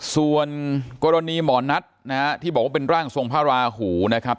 ส่วนกรณีหมอนัทนะฮะที่บอกว่าเป็นร่างทรงพระราหูนะครับ